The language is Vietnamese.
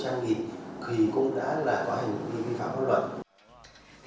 thì cũng đã là có hành vi vi phạm pháp luật